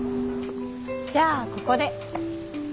じゃあここで。